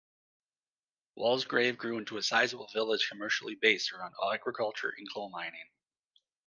Walsgrave grew into a sizeable village commercially based around agriculture and coal mining.